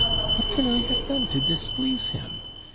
What can I have done to displease him?